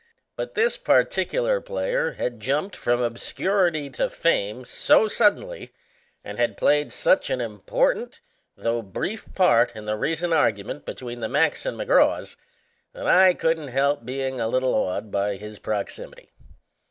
But this particular player had jumped from obscurity to fame so suddenly and had played such an important though brief part in the recent argument between the Macks and McGraws that I couldn't help being a little awed by his proximity.